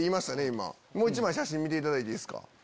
今写真見ていただいていいですか？